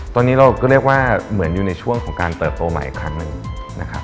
ตอนนี้เราก็เรียกว่าเหมือนอยู่ในช่วงของการเติบโตใหม่อีกครั้งหนึ่งนะครับ